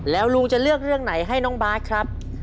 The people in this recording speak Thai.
แล้วลุงจะเลือกเรื่องไหนให้น้องบาทครับ